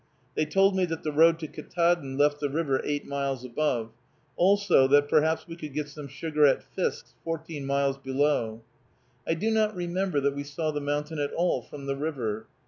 They told me that the road to Ktaadn left the river eight miles above; also that perhaps we could get some sugar at Fisk's, fourteen miles below. I do not remember that we saw the mountain at all from the river.